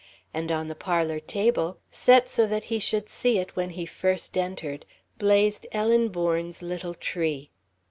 And on the parlour table, set so that he should see it when first he entered, blazed Ellen Bourne's little tree.